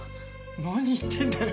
何言ってんだよ。